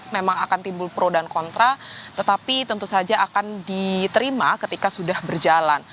memang akan timbul pro dan kontra tetapi tentu saja akan diterima ketika sudah berjalan